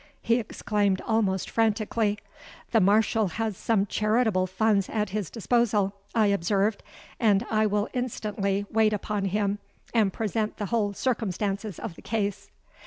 he exclaimed almost frantically.—'The Marshal has some charitable funds at his disposal,' I observed; 'and I will instantly wait upon him, and present the whole circumstances of the case.'